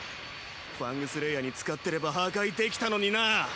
ファングスレイヤーに使ってれば破壊できたのになぁ。